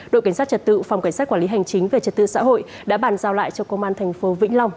đội cảnh sát trật tự phòng cảnh sát quản lý hành chính về trật tự xã hội đã bàn giao lại cho công an thành phố vĩnh long